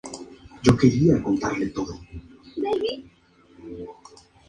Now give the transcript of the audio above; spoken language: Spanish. Puede crecer en una amplia variedad de tipos de hábitat.